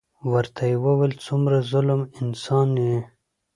ورته يې وويل څومره ظلم انسان يې.